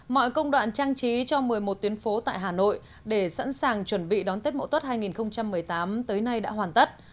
mọi công đoạn trang trí cho một mươi một tuyến phố tại hà nội để sẵn sàng chuẩn bị đón tết mậu tuất hai nghìn một mươi tám tới nay đã hoàn tất